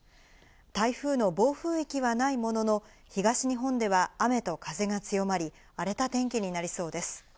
台風の暴風域はないものの、東日本では雨と風が強まり、荒れた天気になりそうです。